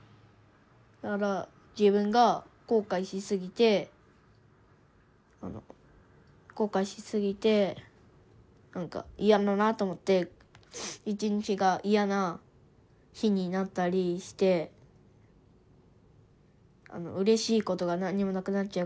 だから自分が後悔しすぎて後悔しすぎて何か嫌だなと思って一日が嫌な日になったりしてうれしいことが何にもなくなっちゃうから。